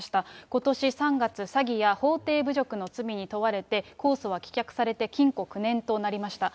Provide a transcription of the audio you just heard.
ことし３月、詐欺や法廷侮辱の罪に問われて、控訴が棄却されて、禁錮９年となりました。